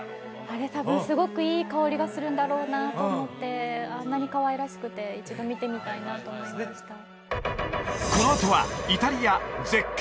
あれ多分すごくいい香りがするんだろうなと思ってあんなにかわいらしくて一度見てみたいなと思いました